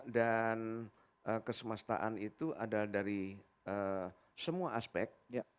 dan kesemestaan itu ada dari semua aspek